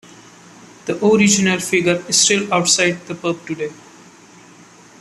The original figure is still outside the pub today.